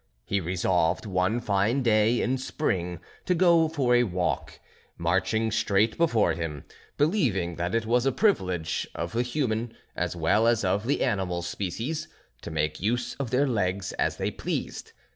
He resolved one fine day in spring to go for a walk, marching straight before him, believing that it was a privilege of the human as well as of the animal species to make use of their legs as they pleased.